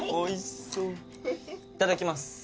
いただきます。